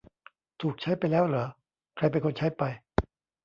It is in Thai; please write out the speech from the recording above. ถูกใช้ไปแล้วหรอ ใครเป็นคนใช้ไป